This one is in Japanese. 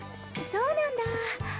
そうなんだ。